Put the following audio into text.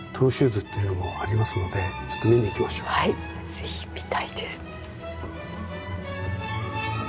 是非見たいです。